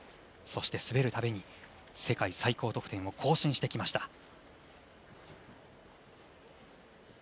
そして滑るたびに世界最高得点を更新してきました。